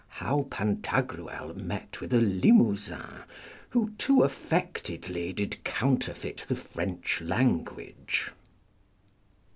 How Pantagruel met with a Limousin, who too affectedly did counterfeit the French language.